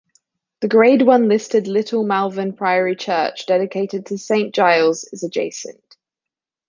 The grade one listed Little Malvern Priory church, dedicated to Saint Giles, is adjacent.